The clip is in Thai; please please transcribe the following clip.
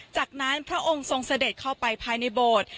จากนั้นพระองค์ทรงเสด็จเข้าไปภายในโบสถ์